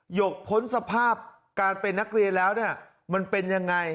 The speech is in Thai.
หยกพ้นสภาพการเป็นนักเรียนแล้วเนี่ยมันเป็นยังไง